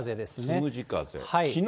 つむじ風。